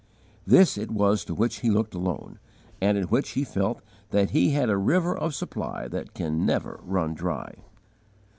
This it was to which he looked alone, and in which he felt that he had a river of supply that can never run dry.